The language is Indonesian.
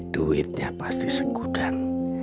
duitnya pasti segudang